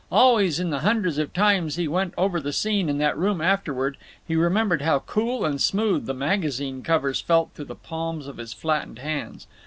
Always, in the hundreds of times he went over the scene in that room afterward, he remembered how cool and smooth the magazine covers felt to the palms of his flattened hands.